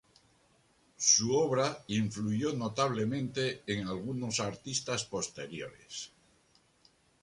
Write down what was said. Su obra influyó notablemente en algunos artistas posteriores.